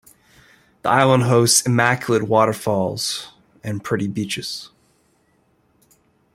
The island hosts immaculate waterfalls, and pretty beaches.